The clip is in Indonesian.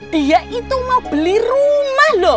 dia itu mau beli rumah loh